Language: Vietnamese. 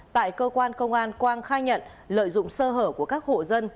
tại cơ quan công an quang khai nhận lợi dụng sơ hở của các hộ dân